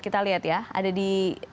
kita lihat ya ada di